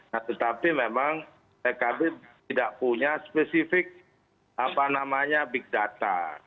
nah tetapi memang pkb tidak punya spesifik big data